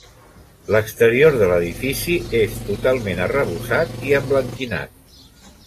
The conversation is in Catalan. L'exterior de l'edifici és totalment arrebossat i emblanquinat.